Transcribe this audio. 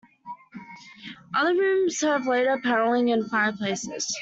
Other rooms have later panelling and fireplaces.